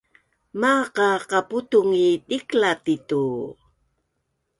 Maaq a qaputung i dikla ti tu?